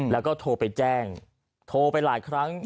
แล้วก็โทรไปแจ้งโทรไปหลายครั้ง